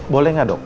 boleh gak dok